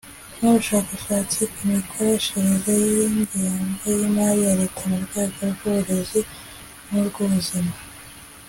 n'ubushakashatsi ku mikoreshereze y'ingengo y'imali ya leta mu rwego rw'uburezi n'urw'ubuzima